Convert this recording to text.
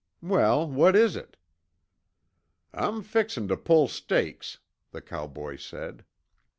"Well, what is it?" "I'm fixin' tuh pull stakes," the cowboy said.